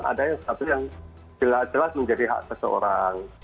ada satu yang jelas jelas menjadi hak seseorang